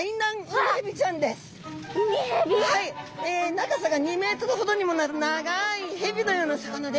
長さが２ｍほどにもなる長いヘビのような魚で。